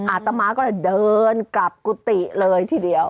อาตมาก็เลยเดินกลับกุฏิเลยทีเดียว